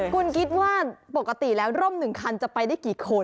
คุณคิดว่าปกติแล้วร่ม๑คันจะไปได้กี่คน